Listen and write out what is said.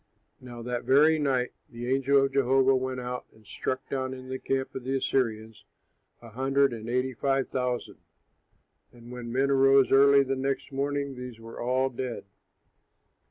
Now that very night the angel of Jehovah went out and struck down in the camp of the Assyrians a hundred and eighty five thousand. And when men arose early the next morning, these were all dead.